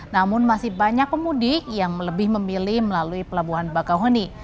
namun masih banyak pemudik yang lebih memilih melalui pelabuhan bakauheni